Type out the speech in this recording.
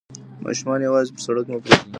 ماشومان یوازې پر سړک مه پریږدئ.